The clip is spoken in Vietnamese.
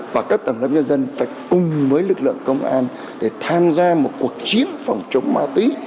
và các tầng lớp nhân dân phải cùng với lực lượng công an để tham gia một cuộc chiến phòng chống ma túy